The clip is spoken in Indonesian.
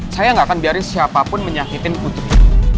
saya nggak akan biarin siapapun menyakitin putri